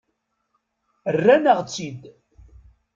Rrant-aɣ-tt-id.